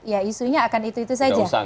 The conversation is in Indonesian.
ya isunya akan itu itu saja